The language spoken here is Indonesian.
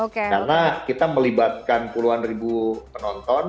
karena kita melibatkan puluhan ribu penonton